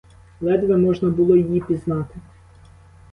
Ледве можна було її пізнати.